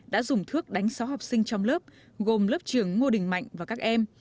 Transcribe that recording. đã dùng thước đánh sáu học sinh trong lớp gồm lớp trường ngô đình mạnh và các em